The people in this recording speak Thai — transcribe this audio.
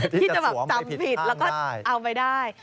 ที่จะสวมไปผิดข้างได้ที่จะจำผิดแล้วก็เอาไปได้